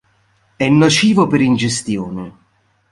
È nocivo per ingestione.